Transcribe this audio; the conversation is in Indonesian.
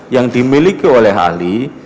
yang dimiliki oleh ahli